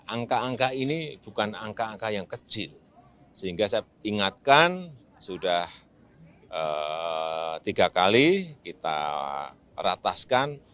angka angka ini bukan angka angka yang kecil sehingga saya ingatkan sudah tiga kali kita rataskan